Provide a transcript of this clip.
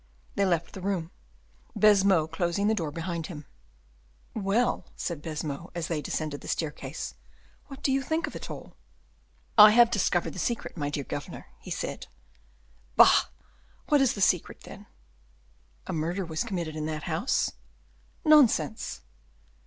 They left the room, Baisemeaux closing the door behind them. "Well," said Baisemeaux, as they descended the staircase, "what do you think of it all?" "I have discovered the secret, my dear governor," he said. "Bah! what is the secret, then?" "A murder was committed in that house." "Nonsense."